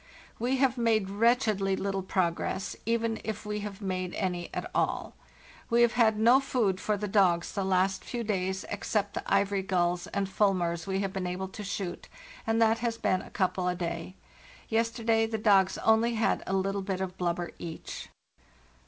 'We have made wretchedly little progress, even if we have made any at all. We have had no food for the dogs the last few days except the ivory gulls and fulmars we have been able to shoot, and that has been a couple a day. Yesterday the dogs only had a little bit of blubber each.